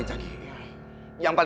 untuk meminta dak said